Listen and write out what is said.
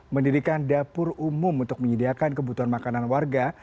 mendirikan dapur umum untuk menyediakan kebutuhan makanan warga